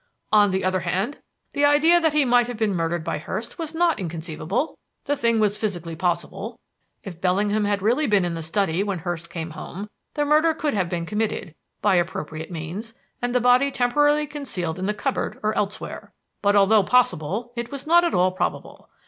"On the other hand, the idea that he might have been murdered by Hurst was not inconceivable. The thing was physically possible. If Bellingham had really been in the study when Hurst came home, the murder could have been committed by appropriate means and the body temporarily concealed in the cupboard or elsewhere. But although possible it was not at all probable.